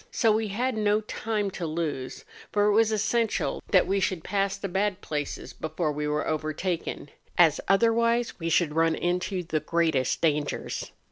So we had no time to lose, for it was essential that we should pass the bad places before we were overtaken, as otherwise we should run into the greatest dangers.